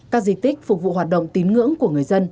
các di tích phục vụ hoạt động tín ngưỡng của người dân